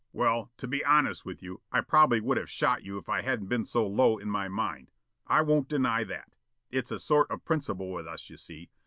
"Well, to be honest with you, I probably would have shot you if I hadn't been so low in my mind. I won't deny that. It's a sort of principle with us, you see.